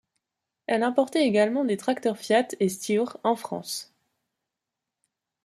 Elle importait également des tracteurs Fiat et Steyr en France.